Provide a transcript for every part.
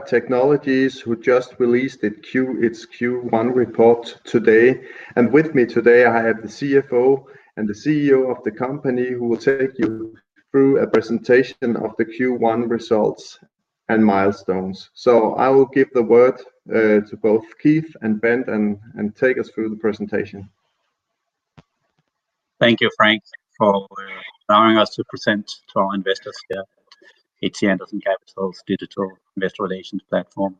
Technologies who just released its Q1 report today. With me today, I have the CFO and the CEO of the company who will take you through a presentation of the Q1 results and milestones. I will give the word to both Keith and Bent and take us through the presentation. Thank you, Frank, for allowing us to present to our investors here at HC Andersen Capital's digital investor relations platform.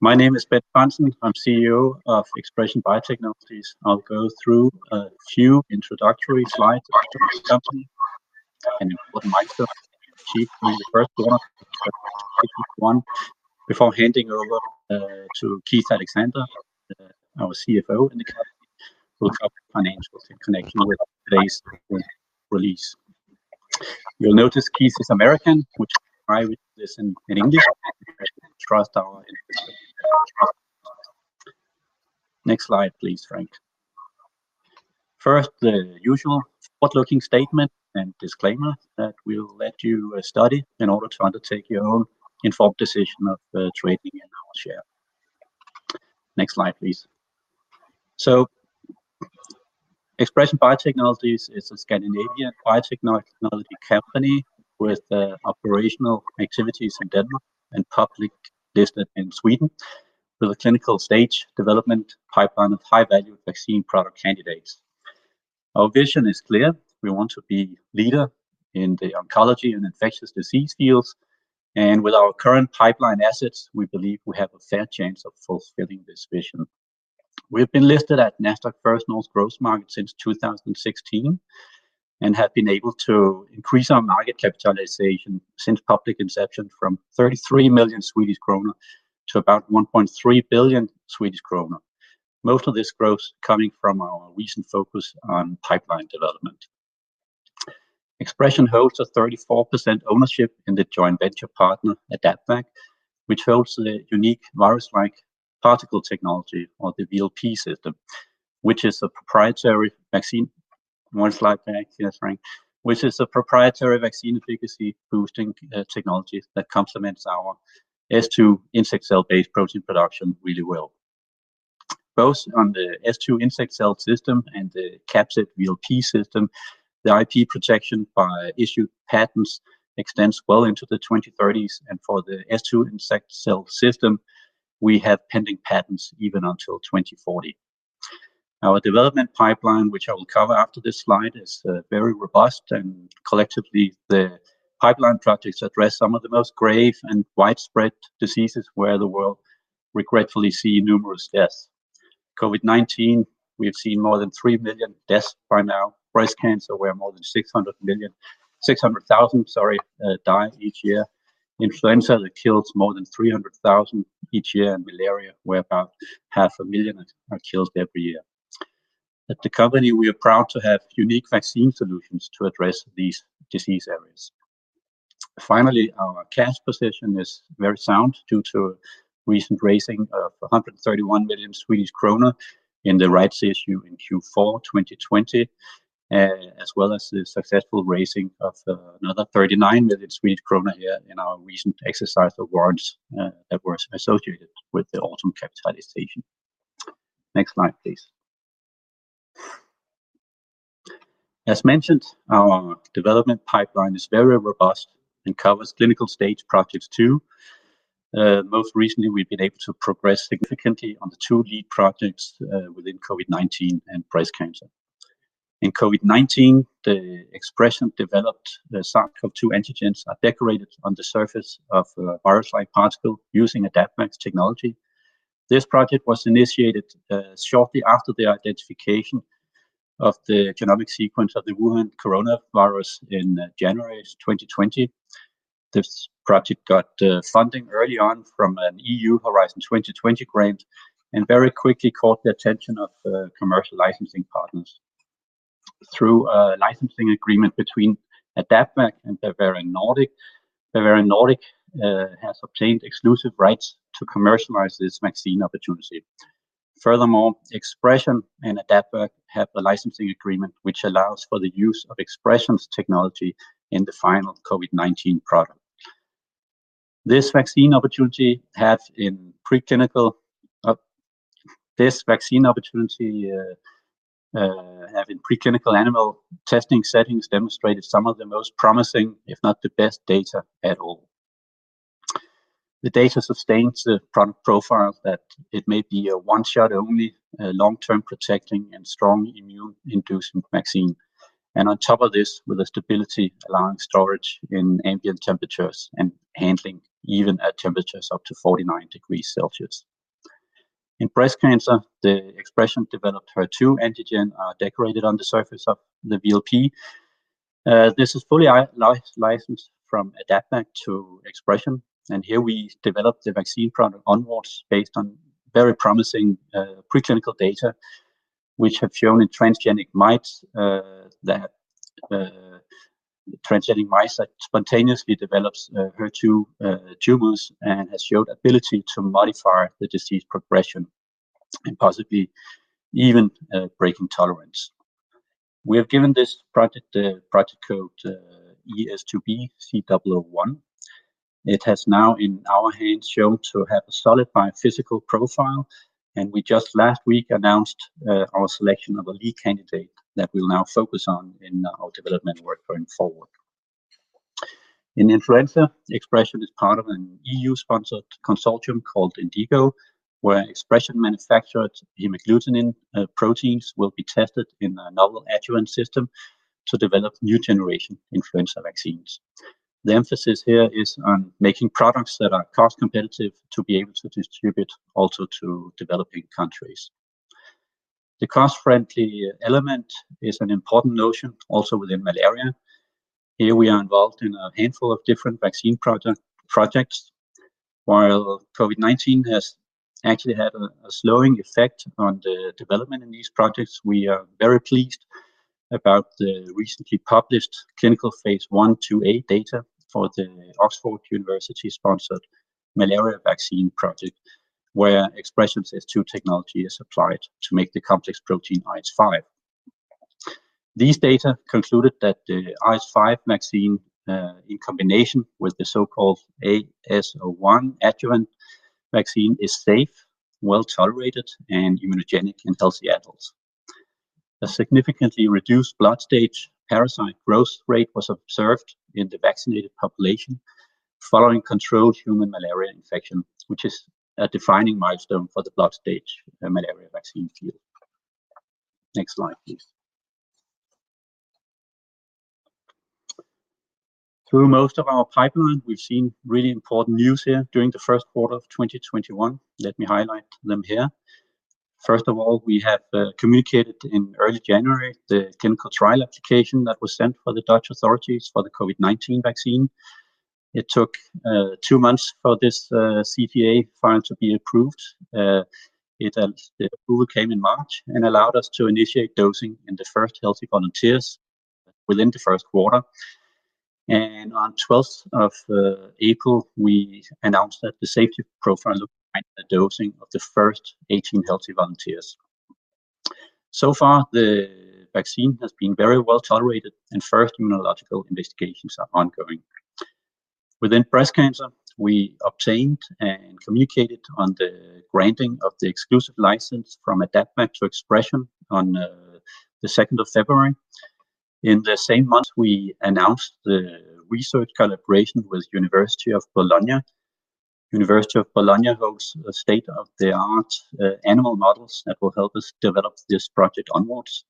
My name is Bent Frandsen. I'm CEO of ExpreS2ion Biotechnologies. I'll go through a few introductory slides about the company and important milestones achieved in the first quarter of 2021, before handing over to Keith Alexander, our CFO, who will talk financials in connection with today's release. You'll notice Keith is American. Next slide please, Frank. First, the usual forward-looking statement and disclaimer that we'll let you study in order to undertake your own informed decision of the trading in our share. Next slide, please. ExpreS2ion Biotechnologies is a Scandinavian biotechnology company with operational activities in Denmark and public business in Sweden with a clinical stage development pipeline of high-value vaccine product candidates. Our vision is clear. We want to be leader in the oncology and infectious disease fields. With our current pipeline assets, we believe we have a fair chance of fulfilling this vision. We've been listed at NASDAQ First North Growth Market since 2016 and have been able to increase our market capitalization since public inception from 33 million Swedish krona to about 1.3 billion Swedish krona. Most of this growth is coming from our recent focus on pipeline development. ExpreS2ion holds a 34% ownership in the joint venture partner, AdaptVac, which holds the unique virus-like particle technology or the VLP system, one slide back here, Frank, which is a proprietary vaccine efficacy-boosting technology that complements our S2 insect cell-based protein production really well. Both on the S2 insect cell system and the cVLP system, the IP protection by issued patents extends well into the 2030s. For the S2 insect cell system, we have pending patents even until 2040. Our development pipeline, which I will cover after this slide, is very robust, and collectively the pipeline projects address some of the most grave and widespread diseases where the world regretfully see numerous deaths. COVID-19, we have seen more than 3 million deaths by now. breast cancer, where more than 600,000 die each year. influenza that kills more than 300,000 each year, and malaria, where about half a million lives are killed every year. At the company, we are proud to have unique vaccine solutions to address these disease areas. Finally, our cash position is very sound due to recent raising of 131 million Swedish kronor in the rights issue in Q4 2020, as well as the successful raising of another 39 million Swedish krona in our recent exercise of warrants that were associated with the autumn capitalization. Next slide, please. As mentioned, our development pipeline is very robust and covers clinical-stage projects too. Most recently, we've been able to progress significantly on two lead projects within COVID-19 and breast cancer. In COVID-19, the ExpreS2ion developed the SARS-CoV-2 antigens are decorated on the surface of a virus-like particle using AdaptVac's technology. This project was initiated shortly after the identification of the genomic sequence of the Wuhan coronavirus in January 2020. This project got funding early on from an E.U. Horizon 2020 grant. Very quickly caught the attention of commercial licensing partners. Through a licensing agreement between AdaptVac and Bavarian Nordic, Bavarian Nordic has obtained exclusive rights to commercialize this vaccine opportunity. Furthermore, ExpreS2ion and AdaptVac have a licensing agreement which allows for the use of ExpreS2ion's technology in the final COVID-19 product. This vaccine opportunity have in preclinical animal testing settings demonstrated some of the most promising, if not the best data at all. The data sustains the front profile that it may be a one shot only, long-term protecting and strong immune-inducing vaccine. On top of this, with a stability allowing storage in ambient temperatures and handling even at temperatures up to 49 degrees Celsius. In breast cancer, the ExpreS2ion developed HER2 antigen are decorated on the surface of the VLP. This is fully licensed from AdaptVac to ExpreS2ion, and here we developed the vaccine product onwards based on very promising preclinical data, which have shown in transgenic mice that spontaneously develops HER2 tumors and has shown ability to modify the disease progression and possibly even break intolerance. We have given this project the project code ES2B-C001. It has now in our hands shown to have a solid biophysical profile, and we just last week announced our selection of a lead candidate that we'll now focus on in our development work going forward. In influenza, ExpreS2ion is part of an E.U.-sponsored consortium called INDIGO, where ExpreS2ion manufactured hemagglutinin proteins will be tested in a novel adjuvant system to develop new-generation influenza vaccines. The emphasis here is on making products that are cost competitive to be able to distribute also to developing countries. The cost-friendly element is an important notion also within malaria. Here we are involved in a handful of different vaccine projects. While COVID-19 has actually had a slowing effect on the development of these projects, we are very pleased about the recently published clinical phase I/IIa data for the University of Oxford-sponsored malaria vaccine project, where ExpreS2ion's technology is applied to make the complex protein RH5. These data concluded that the RH5 vaccine, in combination with the so-called AS01 Adjuvant vaccine, is safe, well-tolerated, and immunogenic in healthy adults. A significantly reduced blood-stage parasite growth rate was observed in the vaccinated population following controlled human malaria infections, which is a defining milestone for the blood-stage malaria vaccine field. Next slide, please. Through most of our pipeline, we've seen really important news here during the first quarter of 2021. Let me highlight them here. First of all, we have communicated in early January the clinical trial application that was sent for the Dutch authorities for the COVID-19 vaccine. It took two months for this CTA file to be approved. The approval came in March and allowed us to initiate dosing in the first healthy volunteers within the first quarter. On 12th of April, we announced that the safety profile of dosing of the first 18 healthy volunteers. So far, the vaccine has been very well-tolerated, and first immunological investigations are ongoing. Within breast cancer, we obtained and communicated on the granting of the exclusive license from AdaptVac to ExpreS2ion on the 2nd of February. In the same month, we announced the research collaboration with University of Bologna. University of Bologna hosts a state-of-the-art animal models that will help us develop this project onwards.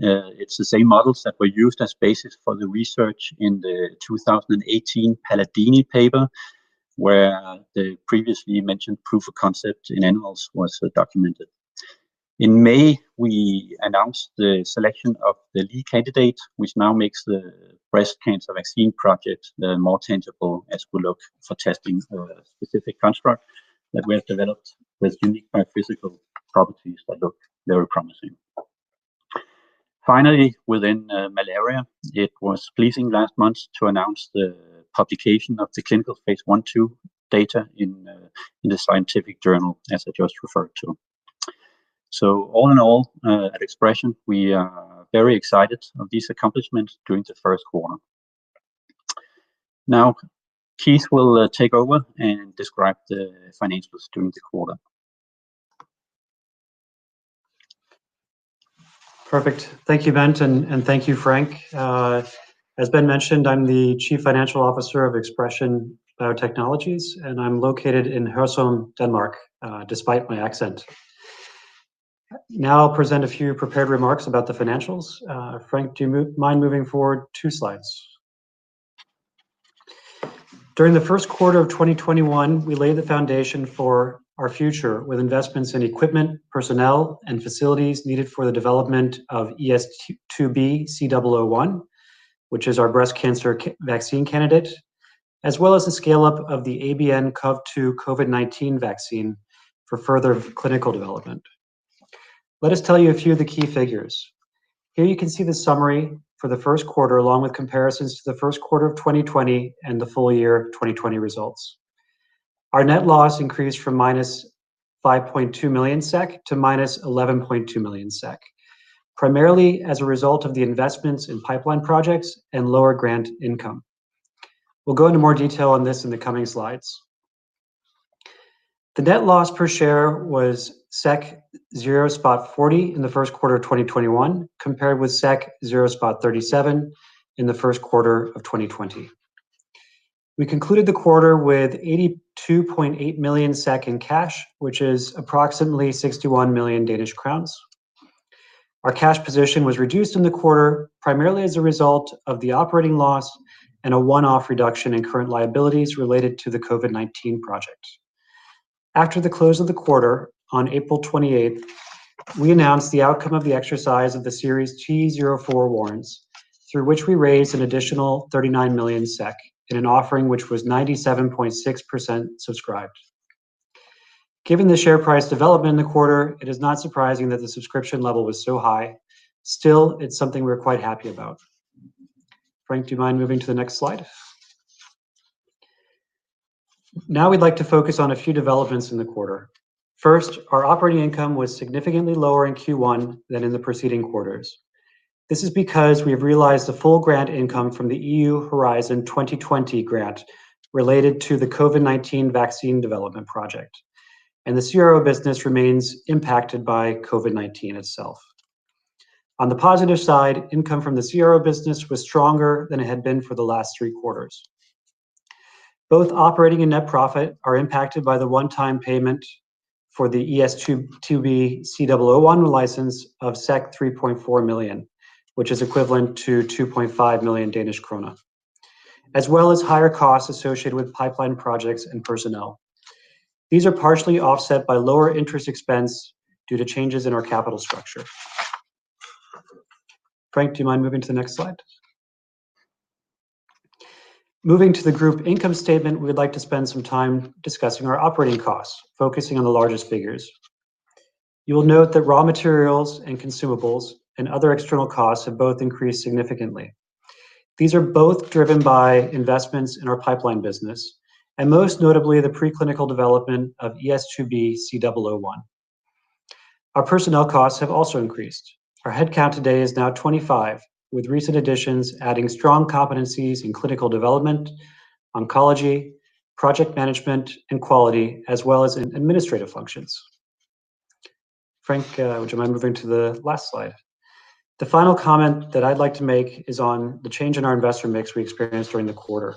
It's the same models that were used as basis for the research in the 2018 Paladini paper, where the previously mentioned proof of concept in animals was documented. In May, we announced the selection of the lead candidate, which now makes the breast cancer vaccine project more tangible as we look for testing a specific construct that we have developed with unique biophysical properties that look very promising. Finally, within malaria, it was pleasing last month to announce the publication of the clinical phase I/IIa data in a scientific journal, as I just referred to. All in all, at ExpreS2ion, we are very excited of these accomplishments during the first quarter. Now, Keith will take over and describe the financials during the quarter. Perfect. Thank you, Bent, and thank you, Frank. As been mentioned, I'm the Chief Financial Officer of ExpreS2ion Biotechnologies, and I'm located in Hørsholm, Denmark, despite my accent. I'll present a few prepared remarks about the financials. Frank, do you mind moving forward two slides? During the first quarter of 2021, we laid the foundation for our future with investments in equipment, personnel, and facilities needed for the development of ES2B-C001, which is our breast cancer vaccine candidate, as well as the scale-up of the ABNCoV2 COVID-19 vaccine for further clinical development. Let us tell you a few of the key figures. Here you can see the summary for the first quarter along with comparisons to the first quarter of 2020 and the full year of 2020 results. Our net loss increased from -5.2 million SEK to -11.2 million SEK, primarily as a result of the investments in pipeline projects and lower grant income. We'll go into more detail on this in the coming slides. The net loss per share was 0.40 in the first quarter of 2021, compared with 0.37 in the first quarter of 2020. We concluded the quarter with 82.8 million SEK in cash, which is approximately 61 million Danish crowns. Our cash position was reduced in the quarter, primarily as a result of the operating loss and a one-off reduction in current liabilities related to the COVID-19 project. After the close of the quarter on April 28th, we announced the outcome of the exercise of the Series T04 warrants, through which we raised an additional 39 million SEK in an offering which was 97.6% subscribed. Given the share price development in the quarter, it is not surprising that the subscription level was so high. Still, it's something we're quite happy about. Frank, do you mind moving to the next slide? We'd like to focus on a few developments in the quarter. First, our operating income was significantly lower in Q1 than in the preceding quarters. This is because we've realized the full grant income from the E.U. Horizon 2020 grant related to the COVID-19 vaccine development project, and the CRO business remains impacted by COVID-19 itself. On the positive side, income from the CRO business was stronger than it had been for the last three quarters. Both operating and net profit are impacted by the one-time payment for the ES2B-C001 license of 3.4 million, which is equivalent to 2.5 million Danish krone, as well as higher costs associated with pipeline projects and personnel. These are partially offset by lower interest expense due to changes in our capital structure. Frank, do you mind moving to the next slide? Moving to the group income statement, we'd like to spend some time discussing our operating costs, focusing on the largest figures. You'll note that raw materials and consumables and other external costs have both increased significantly. These are both driven by investments in our pipeline business and most notably, the preclinical development of ES2B-C001. Our personnel costs have also increased. Our headcount today is now 25, with recent additions adding strong competencies in clinical development, oncology, project management, and quality, as well as in administrative functions. Frank, would you mind moving to the last slide? The final comment that I'd like to make is on the change in our investor mix we experienced during the quarter.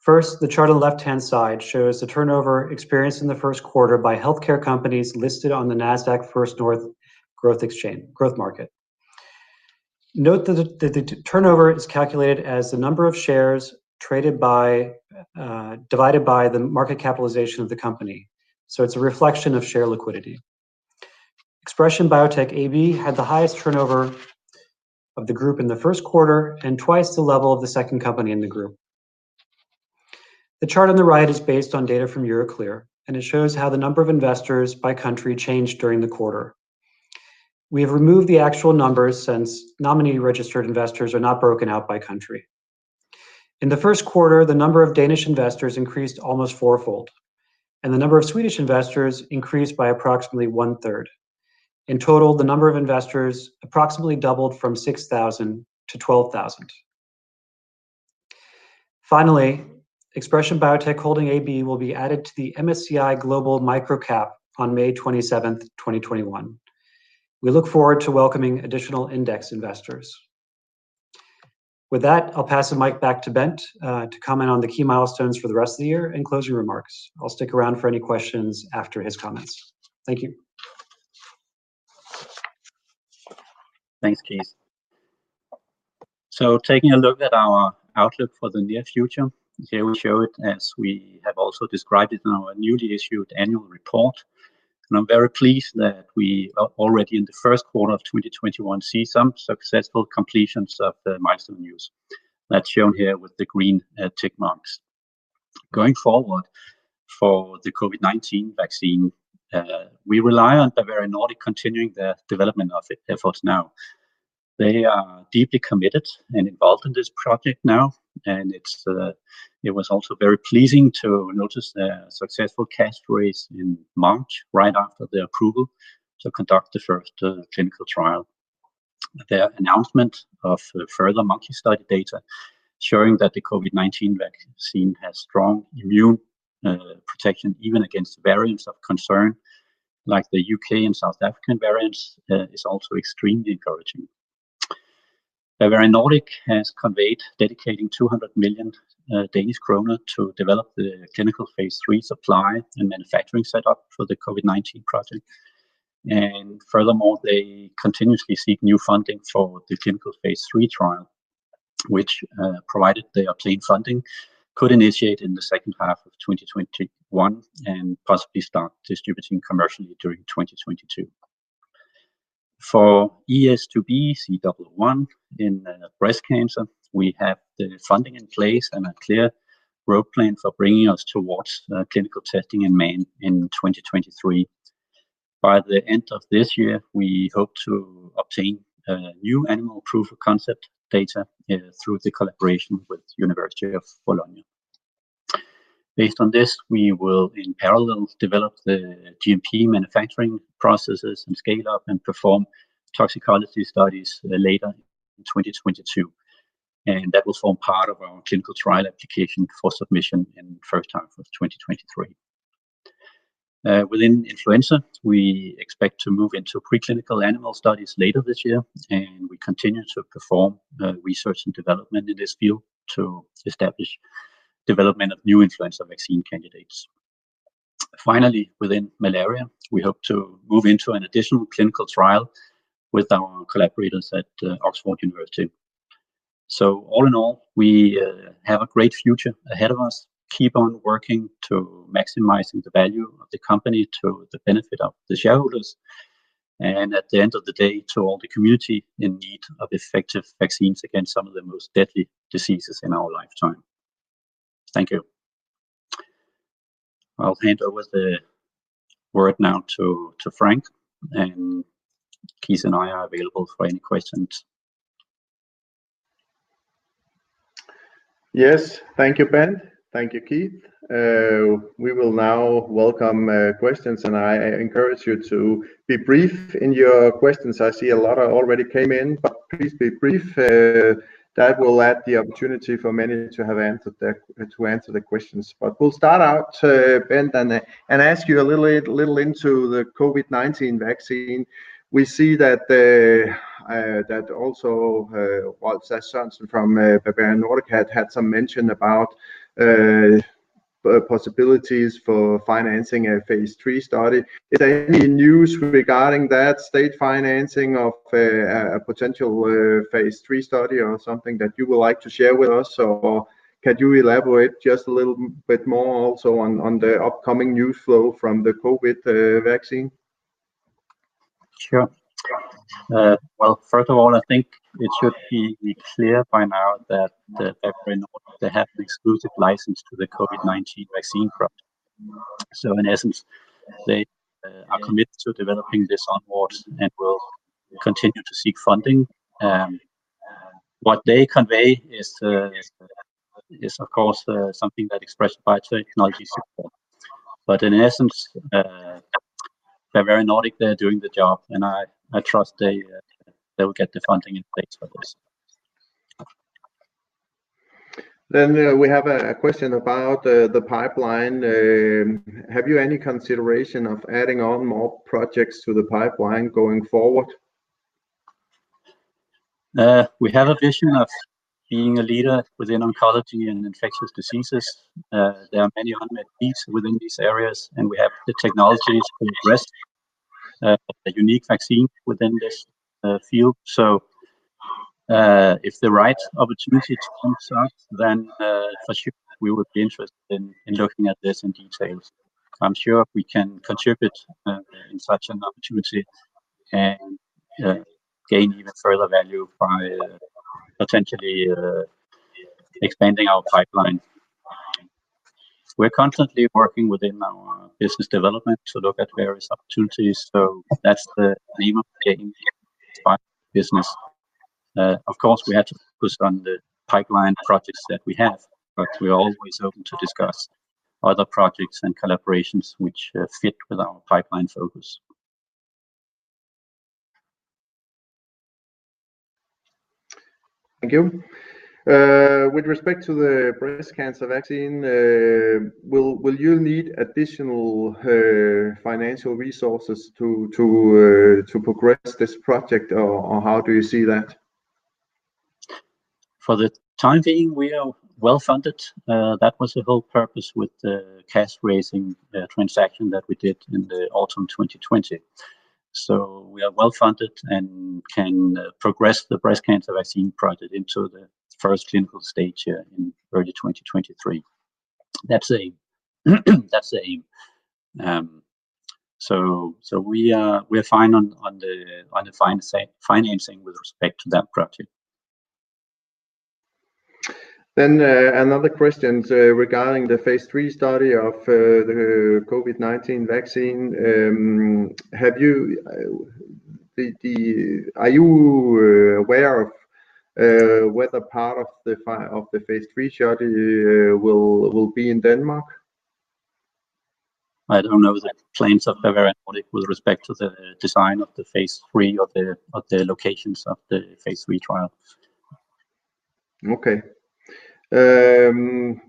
First, the chart on the left-hand side shows the turnover experienced in the first quarter by healthcare companies listed on the NASDAQ First North Growth Market. Note that the turnover is calculated as the number of shares traded by, divided by the market capitalization of the company. It's a reflection of share liquidity. ExpreS2ion Biotech AB had the highest turnover of the group in the first quarter and 2x the level of the second company in the group. The chart on the right is based on data from Euroclear, and it shows how the number of investors by country changed during the quarter. We have removed the actual numbers since nominee-registered investors are not broken out by country. In the first quarter, the number of Danish investors increased almost fourfold, and the number of Swedish investors increased by approximately 1/3. In total, the number of investors approximately doubled from 6,000-12,000. Finally, ExpreS2ion Biotech Holding AB will be added to the MSCI World Micro Cap on May 27th, 2021. We look forward to welcoming additional index investors. With that, I'll pass the mic back to Bent to comment on the key milestones for the rest of the year and closing remarks. I'll stick around for any questions after his comments. Thank you. Thanks, Keith. Taking a look at our outlook for the near future, they will show it as we have also described it in our newly issued annual report. I'm very pleased that we are already in the first quarter of 2021, see some successful completions of the milestones. That's shown here with the green tick marks. Going forward for the COVID-19 vaccine, we rely on the Bavarian Nordic continuing the development of it efforts now. They are deeply committed and involved in this project now, and it was also very pleasing to notice their successful test rates in monkeys right after the approval to conduct the first clinical trial. Their announcement of further monkey study data showing that the COVID-19 vaccine has strong immune protection even against variants of concern like the U.K. and South African variants, is also extremely encouraging. Bavarian Nordic has conveyed dedicating 200 million Danish kroner to develop the clinical phase III supply and manufacturing set up for the COVID-19 project. Furthermore, they continuously seek new funding for the clinical phase III trial, which, provided they obtain funding, could initiate in the second half of 2021 and possibly start distributing commercially during 2022. For ES2B-C001 in breast cancer, we have the funding in place and a clear road plan for bringing us towards clinical testing in May in 2023. By the end of this year, we hope to obtain new animal proof-of-concept data through the collaboration with University of Bologna. Based on this, we will in parallel develop the GMP manufacturing processes and scale up and perform toxicology studies later in 2022. That will form part of our clinical trial application for submission in the first half of 2023. Within influenza, we expect to move into preclinical animal studies later this year. We continue to perform research and development in this field to establish development of new influenza vaccine candidates. Finally, within malaria, we hope to move into an additional clinical trial with our collaborators at Oxford University. All in all, we have a great future ahead of us. Keep on working to maximizing the value of the company to the benefit of the shareholders, and at the end of the day, to all the community in need of effective vaccines against some of the most deadly diseases in our lifetime. Thank you. I'll hand over the word now to Frank, and Keith and I are available for any questions. Yes. Thank you, Bent. Thank you, Keith. We will now welcome questions, and I encourage you to be brief in your questions. I see a lot already came in, but please be brief. That will add the opportunity for many to answer the questions. We'll start out, Bent, and ask you a little into the COVID-19 vaccine. We see that also Lars Christensen from Bavarian Nordic had some mention about the possibilities for financing a phase III study. Is there any news regarding that, state financing of a potential phase III study or something that you would like to share with us? Can you elaborate just a little bit more also on the upcoming news flow from the COVID vaccine. Sure. First of all, I think it should be clear by now that Bavarian Nordic, they have the exclusive license to the COVID-19 vaccine product. In essence, they are committed to developing this onwards and will continue to seek funding. What they convey is, of course, something that is ExpreS2ion Biotechnologies support. In essence, Bavarian Nordic, they're doing the job, and I trust they will get the funding in place for this. We have a question about the pipeline. Have you any consideration of adding on more projects to the pipeline going forward? We have a vision of being a leader within oncology and infectious diseases. There are many unmet needs within these areas, and we have the technologies to address a unique vaccine within this field. If the right opportunity comes up, then for sure we would be interested in looking at this in detail. I'm sure we can contribute in such an opportunity and gain even further value by potentially expanding our pipeline. We're constantly working within our business development to look at various opportunities. That's the name of the game here in this line of business. Of course, we have to focus on the pipeline projects that we have, but we're always open to discuss other projects and collaborations which fit with our pipeline focus. Thank you. With respect to the breast cancer vaccine, will you need additional financial resources to progress this project, or how do you see that? For the time being, we are well-funded. That was the whole purpose with the cash raising transaction that we did in the autumn 2020. We are well-funded and can progress the breast cancer vaccine project into the 1st clinical stage in early 2023. That's the aim. We are fine on the financing with respect to that project. Another question regarding the phase III study of the COVID-19 vaccine. Are you aware of whether part of the phase III study will be in Denmark? I don't know the plans of Bavarian Nordic with respect to the design of the phase III of the locations of the phase III trial. Okay. There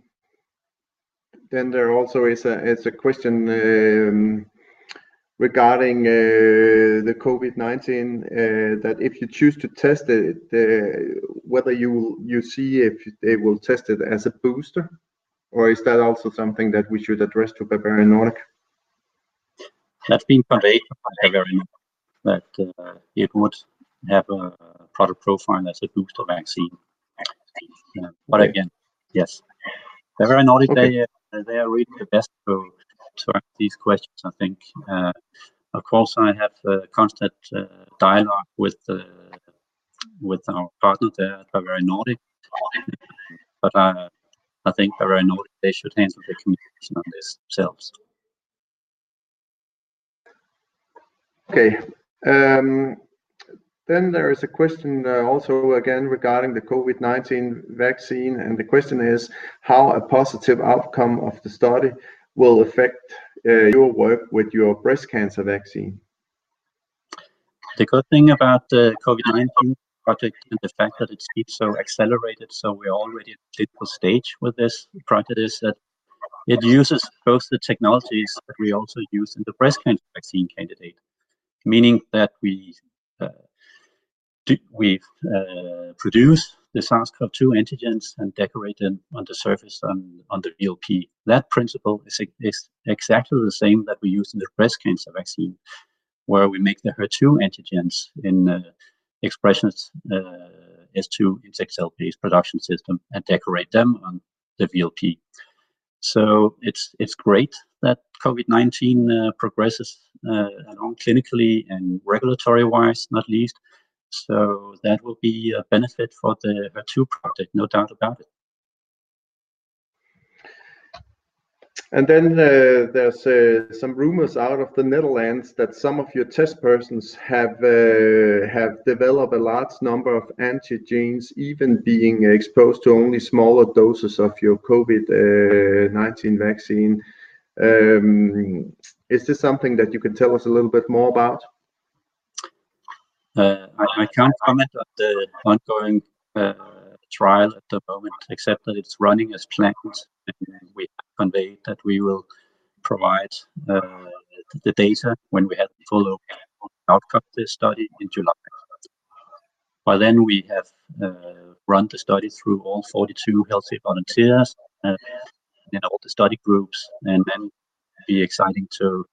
also is a question regarding the COVID-19, that if you choose to test it, whether you see if they will test it as a booster? Is that also something that we should address to Bavarian Nordic? That's been conveyed from Bavarian that it would have a product profile as a booster vaccine. Again, yes, Bavarian Nordic, they are really the best to answer these questions, I think. Of course, I have a constant dialogue with our partners there at Bavarian Nordic. I think Bavarian Nordic, they should handle the communication on this themselves. Okay. There is a question also again regarding the COVID-19 vaccine, and the question is how a positive outcome of the study will affect your work with your breast cancer vaccine? The good thing about the COVID-19 project and the fact that it's been so accelerated, we're already at a clinical stage with this project, is that it uses both the technologies that we also use in the breast cancer vaccine candidate, meaning that we produce the SARS-CoV-2 antigens and decorate them on the surface on the VLP. That principle is exactly the same that we use in the breast cancer vaccine, where we make the HER2 antigens in the ExpreS2 VLP's production system and decorate them on the VLP. It's great that COVID-19 progresses along clinically and regulatory-wise, not least. That will be a benefit for the HER2 project, no doubt about it. There's some rumors out of the Netherlands that some of your test persons have developed a large number of antigens, even being exposed to only smaller doses of your COVID-19 vaccine. Is this something that you can tell us a little bit more about? I can't comment on the ongoing trial at the moment, except that it's running as planned, and we have conveyed that we will provide the data when we have the full outcome of the study in July. By then we have run the study through all 42 healthy volunteers in all the study groups. Then it will be exciting to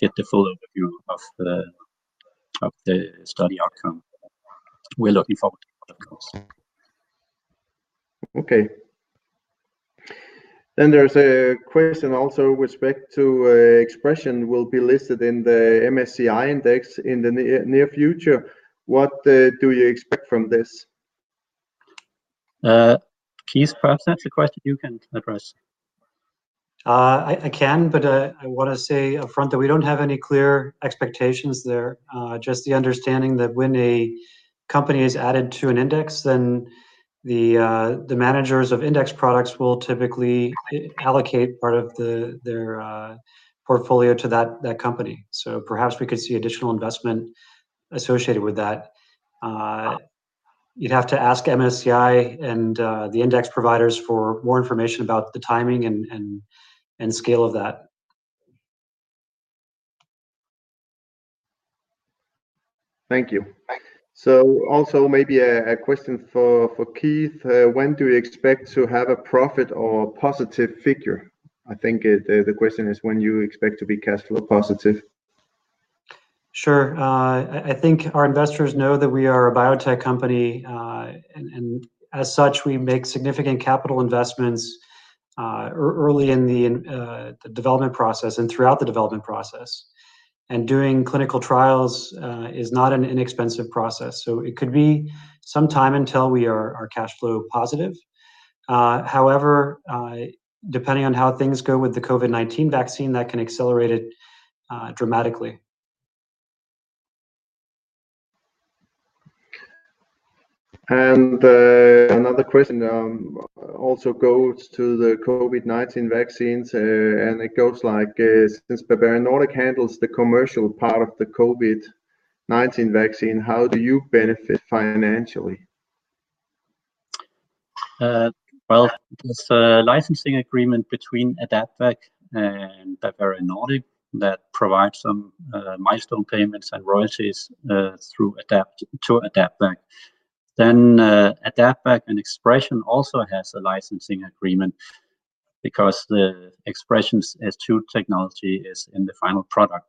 get the full overview of the study outcome. We're looking forward to that, of course. Okay. There's a question also with respect to ExpreS2ion will be listed in the MSCI index in the near future. What do you expect from this? Keith, perhaps that's a question you can address. I can, but I want to say upfront that we don't have any clear expectations there. Just the understanding that when a company is added to an index, then the managers of index products will typically allocate part of their portfolio to that company. Perhaps we could see additional investment associated with that. You'd have to ask MSCI and the index providers for more information about the timing and scale of that. Thank you. Also maybe a question for Keith. When do you expect to have a profit or a positive figure? I think the question is when you expect to be cash flow positive. Sure. I think our investors know that we are a biotech company, and as such, we make significant capital investments early in the development process and throughout the development process. Doing clinical trials is not an inexpensive process. It could be some time until we are cash flow positive. However, depending on how things go with the COVID-19 vaccine, that can accelerate it dramatically. Another question also goes to the COVID-19 vaccines, and it goes like, "Since Bavarian Nordic handles the commercial part of the COVID-19 vaccine, how do you benefit financially? Well, there's a licensing agreement between AdaptVac and Bavarian Nordic that provides some milestone payments and royalties to AdaptVac. AdaptVac and ExpreS2ion also has a licensing agreement because ExpreS2ion's S2 technology is in the final product.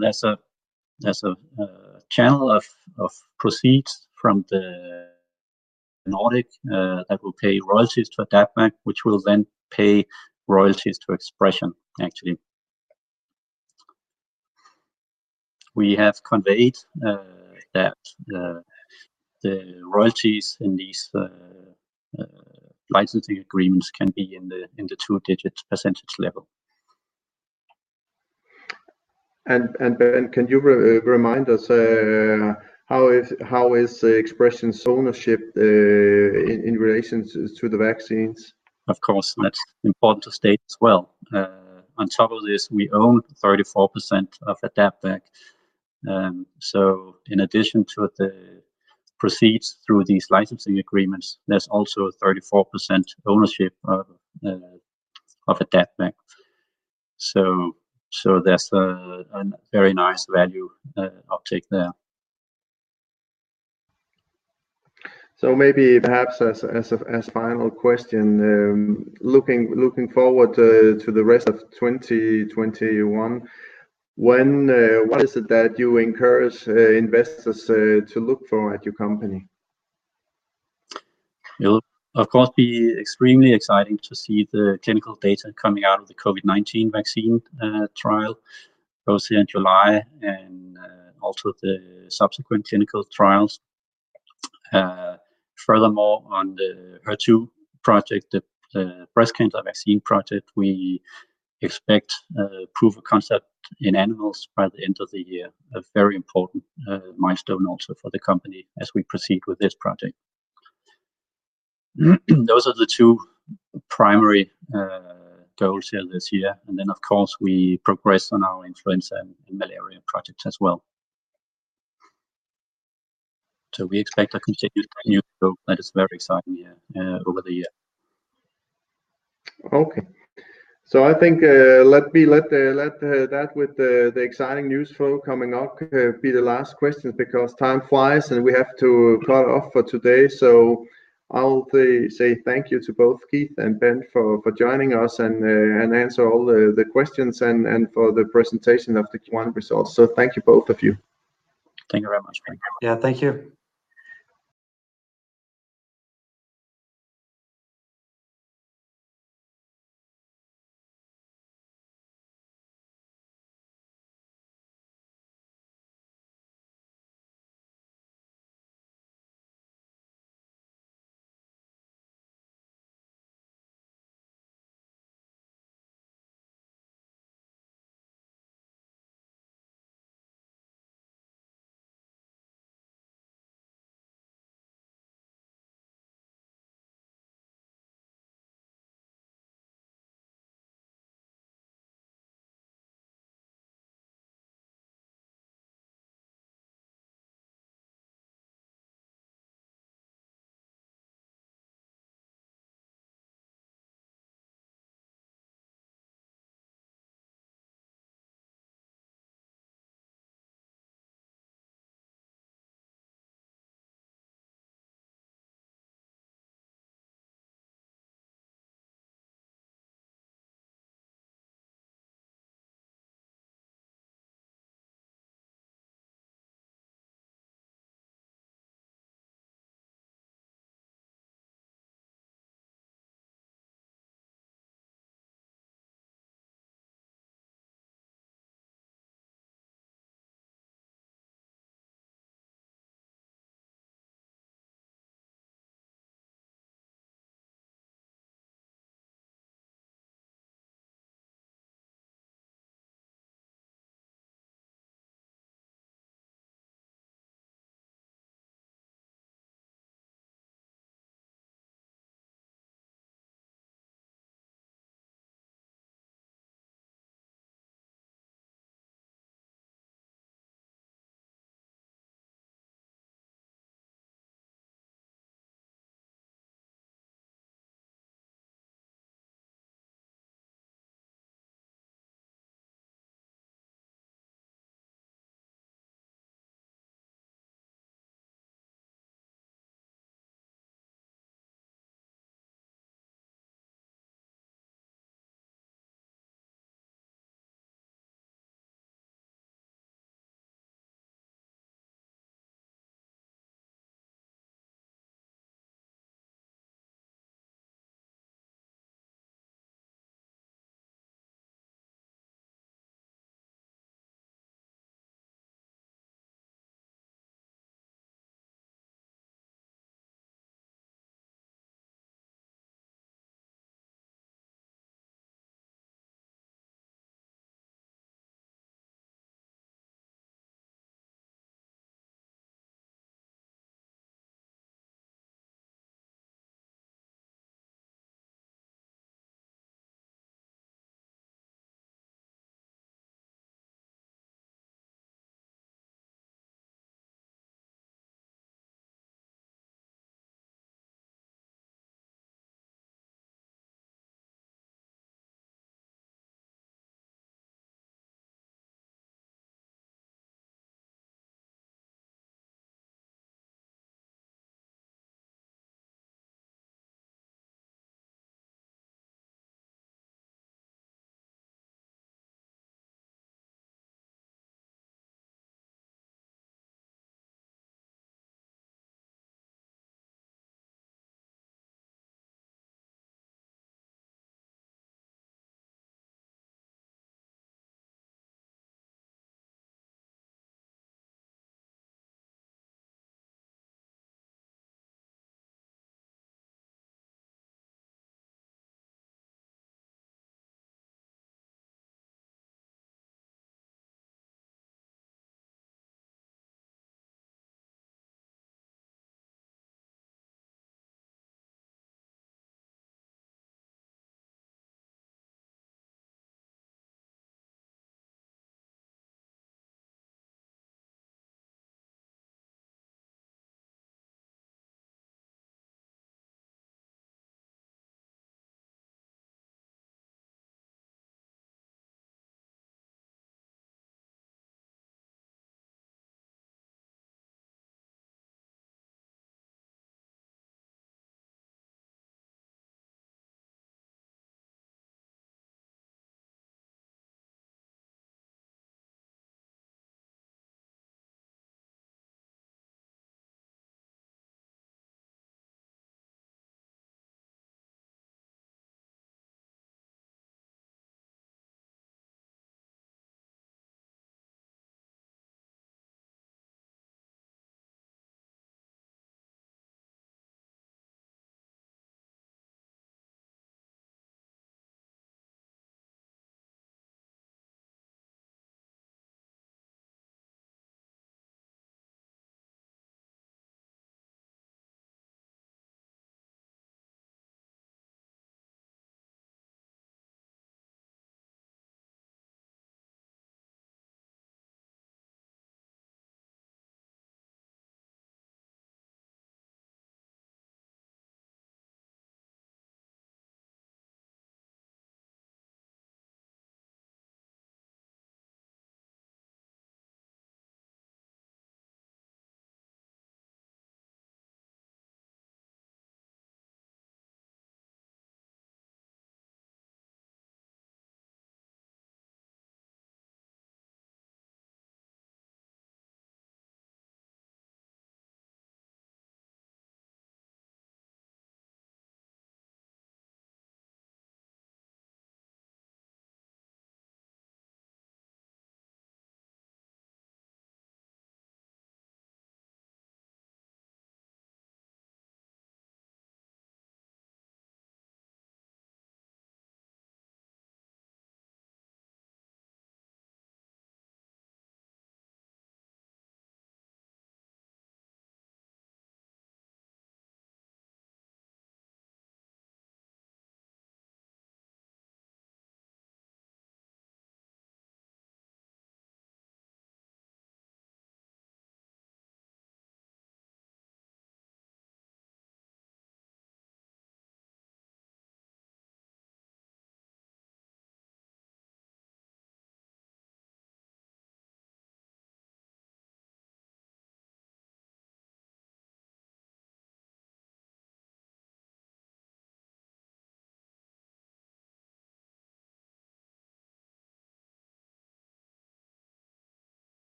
There's a channel of proceeds from the Nordic that will pay royalties to AdaptVac, which will then pay royalties to ExpreS2ion, actually. We have conveyed that the royalties in these licensing agreements can be in the two-digit percentage level. Bent, can you remind us how is ExpreS2ion's ownership in relation to the vaccines? Of course, that's important to state as well. On top of this, we own 34% of AdaptVac. In addition to the proceeds through these licensing agreements, there's also a 34% ownership of AdaptVac. That's a very nice value object there. Maybe perhaps as a final question, looking forward to the rest of 2021, what is it that you encourage investors to look for at your company? It will, of course, be extremely exciting to see the clinical data coming out of the COVID-19 vaccine trial, both here in July and also the subsequent clinical trials. Furthermore, on the HER2 project, the breast cancer vaccine project, we expect proof of concept in animals by the end of the year. A very important milestone also for the company as we proceed with this project. Those are the two primary goals here this year. Of course, we progress on our influenza and malaria projects as well. We expect a continued journey that is very exciting over the year. Okay. I think let that with the exciting news flow coming up be the last question because time flies, and we have to cut off for today. I'll say thank you to both Keith and Bent for joining us and answer all the questions and for the presentation of the Q1 results. Thank you, both of you. Thank you very much. Yeah. Thank you.